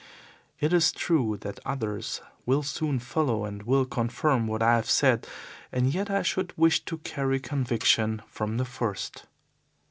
It is true that others will soon follow and will confirm what I have said, and yet I should wish to carry conviction from the first.